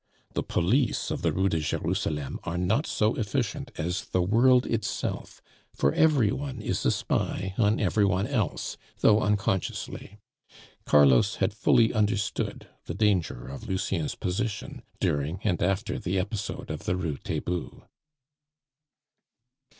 The police of the Rue de Jerusalem are not so efficient as the world itself, for every one is a spy on every one else, though unconsciously. Carlos had fully understood the danger of Lucien's position during and after the episode of the Rue Taitbout.